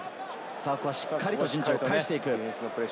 ここはしっかり陣地を返していく。